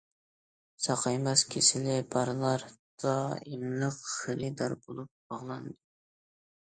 ساقايماس كېسىلى بارلار دائىملىق خېرىدار بولۇپ باغلاندى.